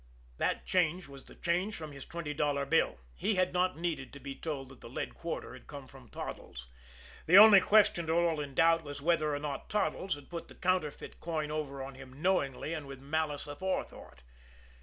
That change was the change from his twenty dollar bill. He had not needed to be told that the lead quarter had come from Toddles. The only question at all in doubt was whether or not Toddles had put the counterfeit coin over on him knowingly and with malice aforethought.